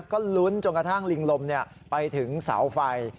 ก็ลุ้นจนกระทั่งลิงลมไปถึงเสาไฟ